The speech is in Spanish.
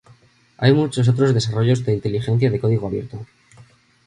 Hay muchos otros desarrollos de inteligencia de código abierto.